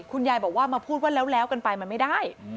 คุณยายบอกว่ามาพูดว่าแล้วกันไปมันไม่ได้